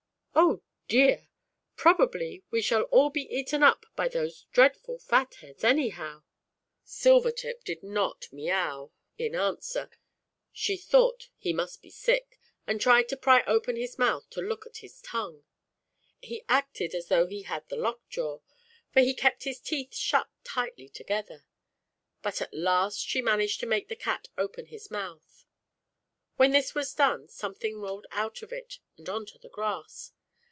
"Oh dear! Probably, we shall all be / 7 eaten up by those dreadful Fat Heads, anyhow." Silvertip did not " Miaow" THE WISE WITCH. in answer, she thought he must be sick, and tried to pry open his mouth to look at his tongue. He acted as though he had the lock jaw, for he kept his teeth shut tightly together. But at last she managed to make the cat open his mouth. When this was done, something rolled out of it and on to the grass.